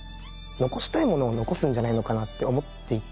残したいものを残すんじゃないのかなって思っていて。